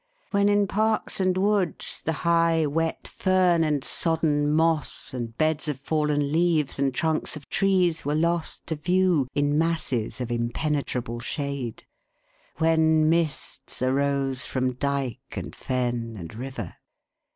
When, in parks and woods, the high wet fern and sodden moss and beds of fallen leaves, and trunks of trees, were lost to view, in masses of impenetrable shade. When mists arose from dyke, and fen, and river.